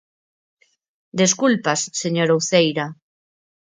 Desculpas, señora Uceira.